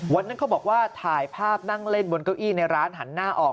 เขาบอกว่าถ่ายภาพนั่งเล่นบนเก้าอี้ในร้านหันหน้าออก